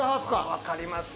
分かります。